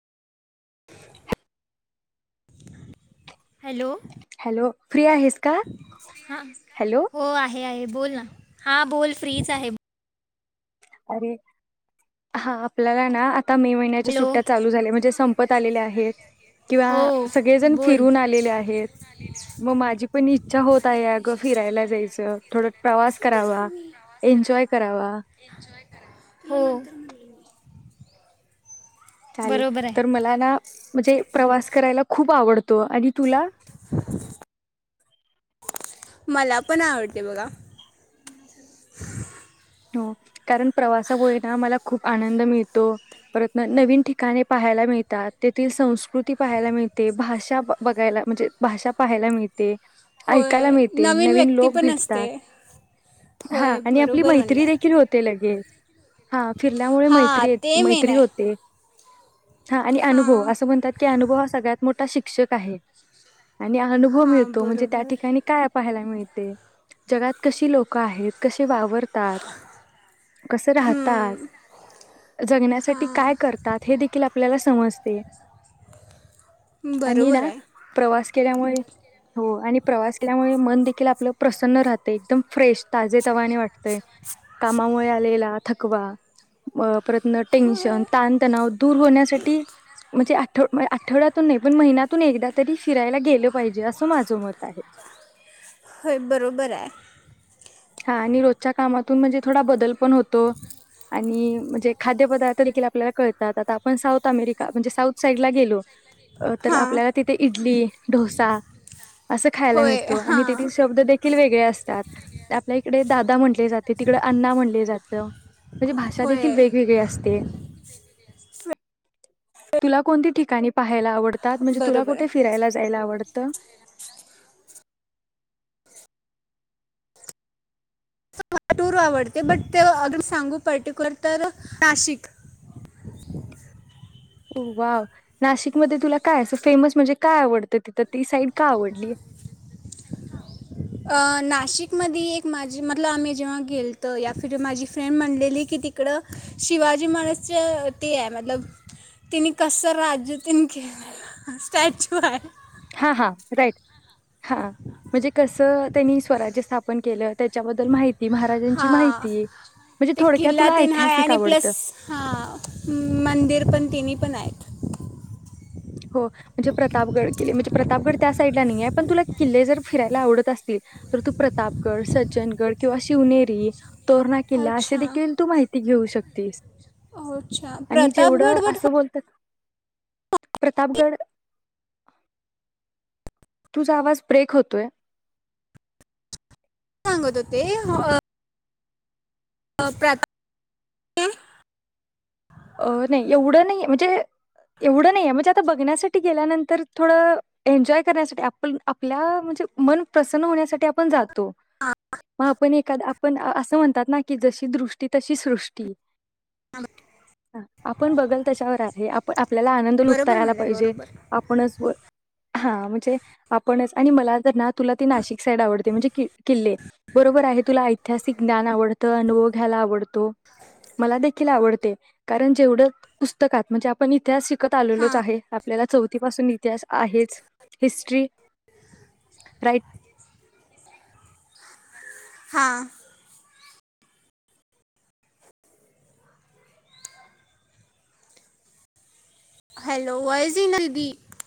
[unintelligible] Hello hello free आहेस का हा हा, हॅलो हो आहे आहे. बोल ना हा बोल फ्रीच आहे. अरे हा आपल्याला ना आ ता मे महिन्याच्या हॅलो सुट्ट्या चालू झाल्या, म्हणजे संपत आलेल्या आहेत हो किंवा सगळेजण बोल फिरून आलेले आहेत. मग माझी पण इच्छा होत आहे अगं फिरायला जायचं थोड प्रवास करावा, एन्जॉय करावा. हो चालेल बरोबर तर आहे मला ना म्हणजे प्रवास करायला खूप आवडतो आणि तुला मला पण आवडते बघा हो कारण प्रवासामुळेना मला खूप आनंद मिळतो, परतन नवीन ठिकाणी पाहायला मिळतात, तेथील संस्कृती पाहायला मिळते भाषा बघायला, म्हणजे भाषा पाहायला मिळते. ऐकायला होय मिळते नवीन व्यक्ती लोक पण असते भेटतात हा होय आणि आपली बरोबर मै त्री म्हणलं देेखील होते लगे हा फिरल्यामुळे हां मैत्री ते मेन मैत्री आहे होते हा आणि अनुभव हां असं म्हणतात, की अनुभव. सगळ्यात मोठा शिक्षक आहे. आणि अनुभव हां मिळतो म्हणजे त्या बरोबर ठिकाणी काय पाहायला. जगात कशी लोक आहेत. कशी वापरतात, कस राहतात हम्म, जगण्यासाठी काय करतात हे देखील आप आपल्याला समजते. आणि बरोबर ना आहे प्रवास केल्यामुळे, हो आणि प्रवास केल्यामुळे मन देखील आपलं, प्रसन्न राहत एकदम फ्रेश ताजेतवाने वाटतय. कामामुळे आलेला थकवा परतणं टेन्शन होय ताणतणाव दूर होण्यासाठी म्हणजे, आठवड्यातून नाही पण महिन्यातून एकदा तरी फिरायला गेलं पाहिजे असं माझं मत आहे. होय बरोबर आहे. हा आणि रोजच्या कामातून म्हणजे थोडा बदल पण होतो आणि म्हणजे खाद्यपदार्थ देखील आपल्याला कळतात. आता आपण साऊथ अमेरिका म्हणजे साऊथ साईडला गेलो तर हां आपल्याला तिथे इडली, डोसा असं खायला होय मिळतो आणि तेथील हां शब्द देखील वेगळे हे असतात. आपल्या इकडे दादा म्हटले, जाते तिकडं अण्णा म्हणले जातं. म्हणजे भाषा होय देखील वेगवेगळी असते. तुला कोणती ठिकाणी पाहायला आवड तात म्हणजे तुला बरोबर कुठे आहे फिरायला जायला आवडतं. मला टूर आवडते बट ते अगदी सांगू पर्टिक्युलर तर नाशिक हो, वा नाशिकमध्ये तुला काय अस फेमस म्हणजे काय आवडतं तिथं ती साईड का आवडली? अ नाशिक मधी एक माझी मतलब आम्ही जेव्हा गेलतो या फिर माझी फ्रेंड म्हणलेली की तिकडं शिवाजी महाराजच्या ते आहे मतलब तिने कस राज्यातन केले स्टॅच्यू हाय हा हा राईट हा म्हणजे कसं त्यांनी स्वराज्य स्थापन केलं. त्याच्याबद्दल माहिती, महाराजांची हा माहिती. म्हणजे ते थोडक्यात किल्ला तुला तेन हाय ऐतिहासिक आणि प्लस आवडतं. हा मंदिर पण तिन्ही पण आहेत. [inaudible] हो म्हणजे प्रतापगड किल्ले म्हणजे प्रतापगड त्या साईडला नाही आहे पण तुला किल्ले जर फिरायला आवडत असतील, तर तू प्रतापगड, सज्जनगड किंवा शिवनेरी तोरणा किल्ला अशे अच्छा देखील तू माहिती घेऊ शक तेच, अच्छा आणि जेवढं प्रतापगड बट असं बोलतात. प्रतापगड, तुझा आवाज ब्रेक होतोय. सांगत होते. [unintelligible] अ नाही एवढं नाहीे म्हणजे एवढं नाहीे म्हणजे आता बघण्यासाठी गेल्यानंतर थोडं एन्जॉय करण्यासाठी आपण आपल्या म्हणजे मन प्रसन्न होण्यासाठी आपण जात तो हां मग आपण एखा पण असं म्हणतात ना की जशी दृष्टी तशी सृष्टी. [unintelligible] ह आपण बघल त्याच्यावर आहे. आप आपल्याला आनंद लुटता बरोबर यायला म्हणलं पाहिजे. बरोबर आपणच हा म्हणजे आपणच आणि मला तर ना तुला ते नाशिक साईड आवडते म्हणजे कि किल्ले बरोबर आहे तुला ऐतिहासिक ज्ञान आवडतं, अनुभव घ्यायला आवडतो. मला देखील आवडते. कारण जेवढं पुस्तकात म्हणजे आपण इतिहास शिक कत आलेलोच हां आहे. आपल्याला चौथी पाासून इतिहास आहेच हिस्ट्री राईट. हा. हॅलो, वॉयज येईना दीदी.